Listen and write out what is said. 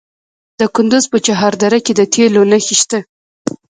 د کندز په چهار دره کې د تیلو نښې شته.